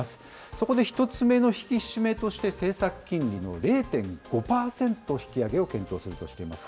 そこで一つ目の引き締めとして政策金利の０．５％引き上げを検討するとしています。